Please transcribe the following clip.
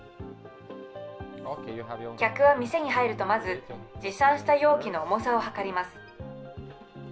客は店に入るとまず、持参した容器の重さを量ります。